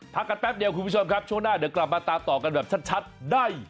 พักกันแป๊บเดียวคุณผู้ชมครับช่วงหน้าเดี๋ยวกลับมาตามต่อกันแบบชัดได้